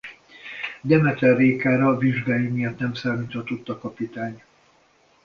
Demeter Rékára vizsgái miatt nem számíthatott a kapitány.